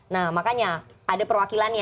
nah makanya ada perwakilannya